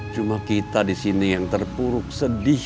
cuma kita disini yang terpuruk sedih